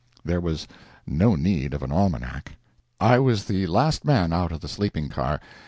There was no need of an almanac. I was the last man out of the sleeping car.